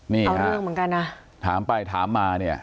นี้ครับถามไปถามมา